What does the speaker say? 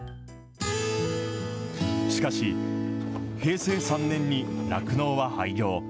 しかし、平成３年に酪農は廃業。